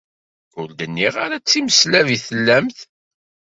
Ur d-nniɣ ara d timeslab i tellamt.